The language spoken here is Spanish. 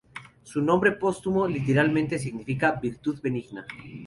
Su nombre póstumo literalmente significa "virtud benigna".